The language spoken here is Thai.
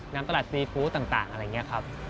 น้ำสลัดซีฟู้ต่างอะไรอย่างนี้ครับ